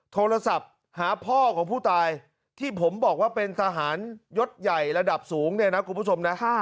โทรศัพท์หาพ่อของผู้ตายที่ผมบอกว่าเป็นทหารยศใหญ่ระดับสูงเนี่ยนะคุณผู้ชมนะ